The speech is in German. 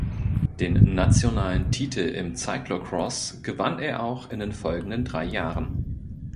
Den nationalen Titel im Cyclocross gewann er auch in den folgenden drei Jahren.